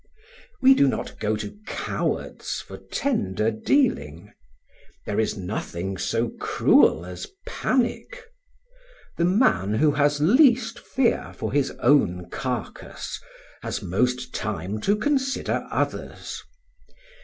We do not go to cowards for tender dealing; there is nothing so cruel as panic; the man who has least fear for his own carcass, has most time to consider others.